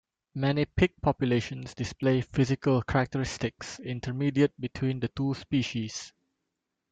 Many pig populations display physical characteristics intermediate between the two species.